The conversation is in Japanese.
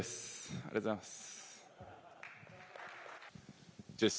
ありがとうございます。